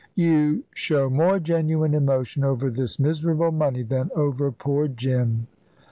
"You show more genuine emotion over this miserable money than over poor Jim."